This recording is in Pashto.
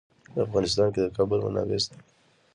په افغانستان کې د کابل منابع شته.